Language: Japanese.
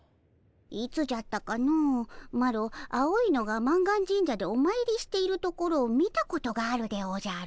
いつじゃったかのマロ青いのが満願神社でおまいりしているところを見たことがあるでおじゃる。